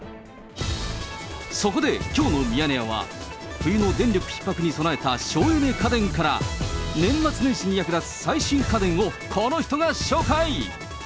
そこできょうのミヤネ屋は、冬の電力ひっ迫に備えた省エネ家電から、年末年始に役立つ最新家電をこの人が紹介。